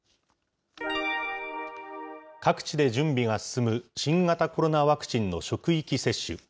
各地で準備が進む新型コロナワクチンの職域接種。